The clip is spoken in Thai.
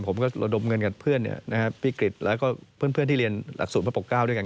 ระดมเงินกับเพื่อนพี่กริจแล้วก็เพื่อนที่เรียนหลักศูนย์พระปกเก้าด้วยกัน